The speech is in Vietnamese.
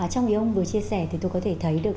trong như ông vừa chia sẻ thì tôi có thể thấy được